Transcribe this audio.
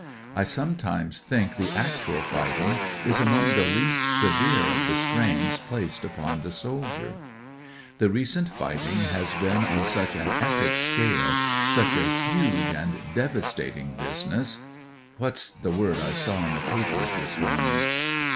I sometimes think the actual fighting is among the least severe of the strains placed upon the soldier. " The recent fighting has been on such an epic scale, such a huge and devastating business ^what's the word I saw in the papers this morning